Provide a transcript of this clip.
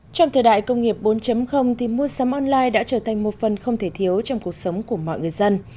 trong thời đại công nghiệp bốn thì mua sắm online đã trở thành một phần không thể thiếu trong cuộc sống của mọi người dân